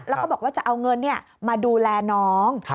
แล้วก็บอกว่าจะเอาเงินมาดูแลน้อง